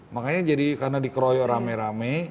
makanya jadi karena dikeroyok rame rame